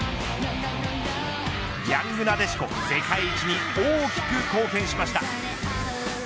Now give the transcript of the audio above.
ヤングなでしこ、世界一に大きく貢献しました。